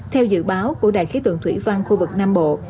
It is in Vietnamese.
theo dự báo của đài khí tượng thủy văn khu vực nam bộ